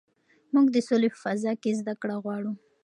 موږ د سولې په فضا کې زده کړه غواړو.